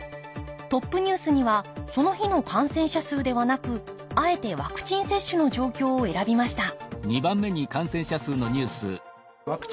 トップニュースにはその日の感染者数ではなくあえてワクチン接種の状況を選びました